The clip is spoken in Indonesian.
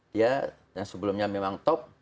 dia yang sebelumnya memang top